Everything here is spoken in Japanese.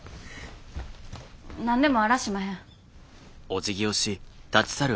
何でもあらしまへん。